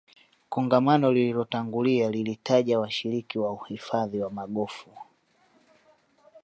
kongamano lililotangulia lilitaja washiriki wa uhifadhi wa magofu